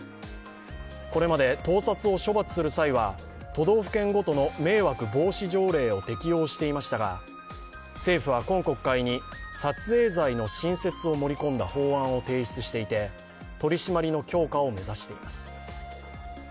これまで盗撮を処罰する際は都道府県ごとの迷惑防止条例を適用していましたが政府は今国会に撮影罪の新設を盛り込んだ法案を提出していて取り締まりの強化を目指しています。